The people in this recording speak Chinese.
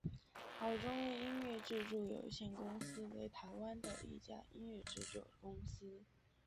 好钟意音乐制作有限公司为台湾的一家音乐制作公司。